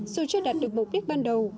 dù chưa đạt được mục đích ban đầu